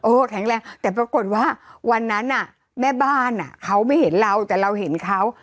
แข็งแรงแต่ปรากฏว่าวันนั้นแม่บ้านเขาไม่เห็นเราแต่เราเห็นเขา